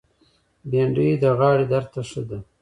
بېنډۍ د غاړې درد ته ښه ده